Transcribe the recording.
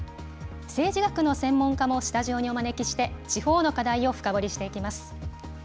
政治学の専門家もスタジオにお招きして、地方の課題を深掘りしていきます。